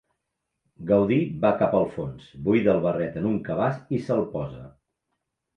Gaudí va cap al fons, buida el barret en un cabàs i se'l posa.